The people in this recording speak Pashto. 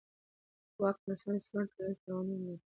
د واک ناسم استعمال ټولنیز تاوانونه لري